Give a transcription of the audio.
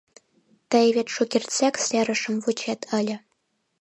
— Тый вет шукертсек серышым вучет ыле.